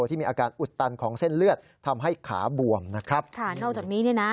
ที่มีอาการอุดตันของเส้นเลือดทำให้ขาบวมนะครับค่ะนอกจากนี้เนี่ยนะ